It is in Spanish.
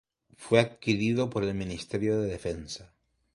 Fue adquirido por el Ministerio de Defensa.